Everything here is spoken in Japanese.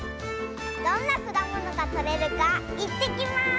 どんなくだものがとれるかいってきます！